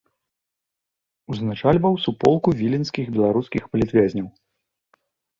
Узначальваў суполку віленскіх беларускіх палітвязняў.